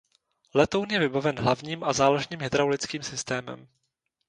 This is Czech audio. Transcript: Letoun je vybaven hlavním a záložním hydraulickým systémem.